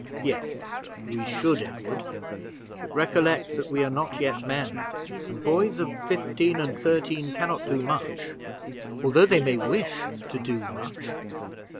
"Yes, we should, Edward; but recollect that we are not yet men, and boys of fifteen and thirteen can not do much, although they may wish to do much."